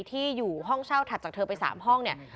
ที่อยู่ห้องเช่าถัดจากเธอไป๓ห้องเนี่ย